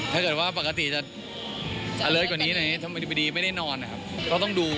ถ้าเกิดว่าปกติจะเลิศกว่านี้ทำไมดีไม่ได้นอนนะครับก็ต้องดู